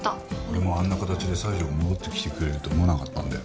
俺もあんな形で西条が戻ってきてくれると思わなかったんで。